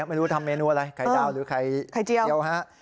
ไม่รู้ทำเมนูอะไรไข่ดาวหรือไข่เจียวฮะ